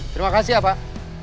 terima kasih ya pak